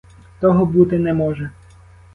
Того бути не може.